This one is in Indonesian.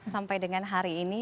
sampai dengan hari ini